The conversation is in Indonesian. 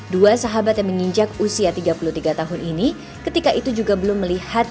dua sahabat yang menginjak usia tiga puluh tiga tahun ini ketika itu juga belum melihat